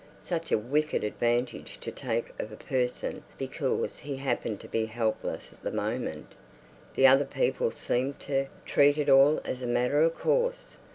Such a wicked advantage to take of a person because he happened to be helpless at the moment. The other people seemed to treat it all as a matter of course.